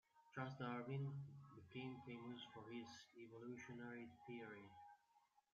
Charles Darwin became famous for his evolutionary theory.